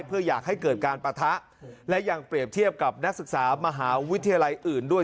เพื่ออยากให้เกิดการปะทะและยังเปรียบเทียบกับนักศึกษามหาวิทยาลัยอื่นด้วย